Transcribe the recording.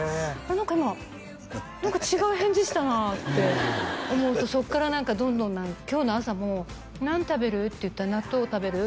何か今何か違う返事したなあって思うとそっから何かどんどん今日の朝も何食べる？って言ったら「納豆食べる？」